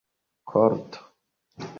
korto